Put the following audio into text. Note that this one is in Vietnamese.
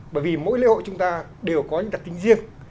bởi vì mỗi lễ hội chúng ta đều có những đặc tính riêng